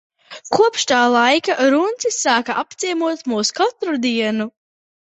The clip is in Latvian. Kopš tā laika runcis sāka apciemot mūs katru dienu.